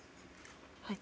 はい。